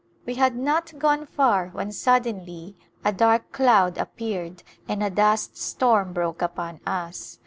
We had not gone far when suddenly a dark cloud ap peared and a dust storm broke upon us.